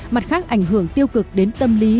mặt khác ảnh hưởng tiêu cực đến tâm lý